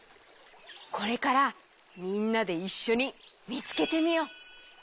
これからみんなでいっしょにみつけてみよう！